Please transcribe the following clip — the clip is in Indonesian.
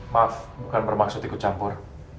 maaf bukan bermaksud ikut campur